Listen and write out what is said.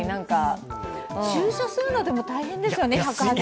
駐車するのは大変ですよね。